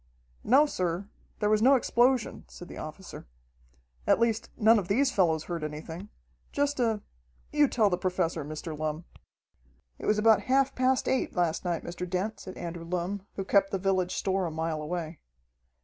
"No, sir, there was no explosion," said the officer. "At least, none of these fellows heard anything. Just a you tell the Professor, Mr. Lumm." "It was about half past eight last night, Mr. Dent," said Andrew Lumm, who kept the village store a mile away.